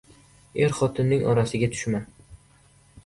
• Er va xotinning orasiga tushma.